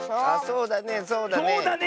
そうだねそうだね。